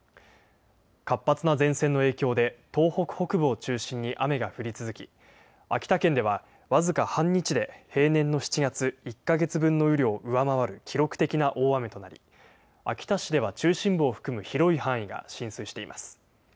活発な前線の影響で東北北部を中心に雨が降り続き秋田県では僅か半日で平年の７月１か月分の雨量を上回る記録的な大雨となり秋田市では中心部を含む広い範囲が浸水しています。